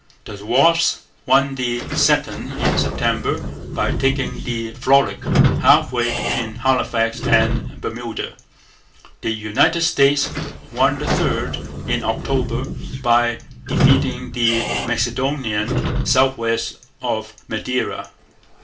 The Wasp won the second in September, by taking the Frolic half way between Halifax and Bermuda. The United States won the third in October, by defeating the Macedonian south west of Madeira.